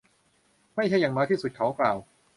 ไม่ใช่อย่างน้อยที่สุด. เขากล่าว